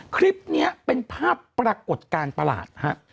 คลิปนี้เป็นภาพปรากฏการณ์ประหลาดฮะ